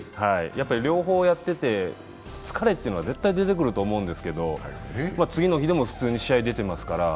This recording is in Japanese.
両方やってて疲れというのが絶対出てくると思うんですけど次の日でも普通に試合に出てますから。